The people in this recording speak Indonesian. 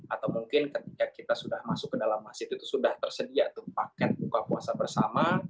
atau mungkin ketika kita sudah masuk ke dalam masjid itu sudah tersedia tuh paket buka puasa bersama